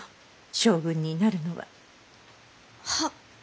将軍になるのは。は？